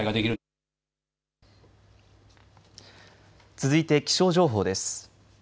続いて気象情報です。